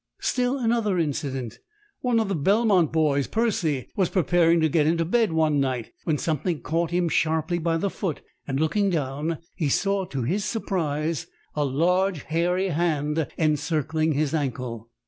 "Still another incident: One of the Belmont boys, Percy, was preparing to get into bed one night, when something caught him sharply by the foot, and looking down, he saw to his surprise a large hairy hand encircling his ankle.